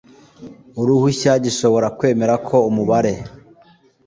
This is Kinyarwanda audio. uruhushya gishobora kwemera ko umubare